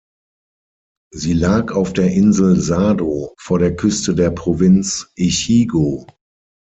Sie lag auf der Insel Sado vor der Küste der Provinz Echigo.